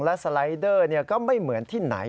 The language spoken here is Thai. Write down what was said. และสไลเดอร์ก็ไม่เหมือนที่ไหน